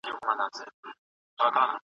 موږ باید د هر ګام ارزښت وپېژنو.